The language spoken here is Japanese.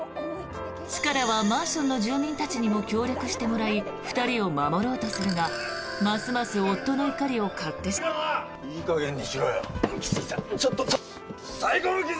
チカラは、マンションの住民たちにも協力してもらい２人を守ろうとするがますます夫の怒りを買ってしまうことに。